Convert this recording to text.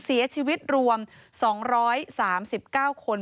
เสียชีวิตรวม๒๓๙คน